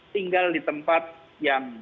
tinggal di tempat yang